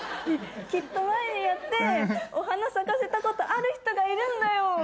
きっと前にやってお花咲かせたことある人がいるんだよ！